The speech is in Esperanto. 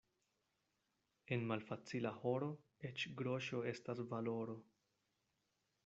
En malfacila horo eĉ groŝo estas valoro.